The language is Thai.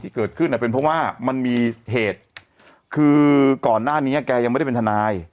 เกิดขึ้นเป็นเพราะว่ามันมีเหตุคือก่อนหน้านี้แกยังไม่ได้เป็นทนาย